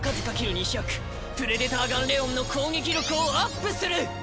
２００プレデター・ガンレオンの攻撃力をアップする！